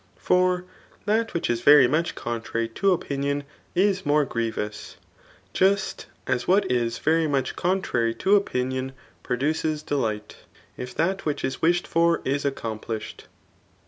For diat v^ch is very much contrary to opinion is more gnevous, just as what is very much contrary to opinion produces delight, if that which is wished for is accomplished.